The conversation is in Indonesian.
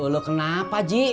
lu kenapa ji